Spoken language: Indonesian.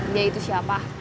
dia itu siapa